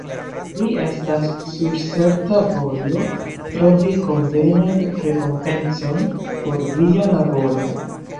Vi estas sur certa vojo, trovi konvenan rekompencon por Via laboro!